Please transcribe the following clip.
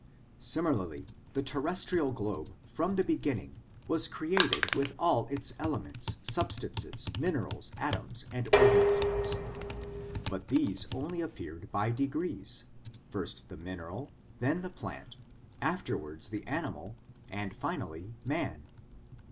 Similarly, the terrestrial globe from the beginning was created with all its elements, substances, minerals, atoms, and organisms; but these only appeared by degrees: first the mineral, then the plant, afterwards 232 SOME ANSWERED QUESTIONS the animal, and finally man.